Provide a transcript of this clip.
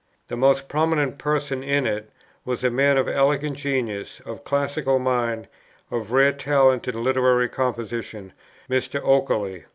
The most prominent person in it, was a man of elegant genius, of classical mind, of rare talent in literary composition: Mr. Oakeley.